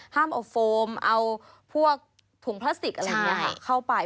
ห้ามเอาโฟมเอาพวกถุงพลาสติกอะไรอย่างนี้เข้าไป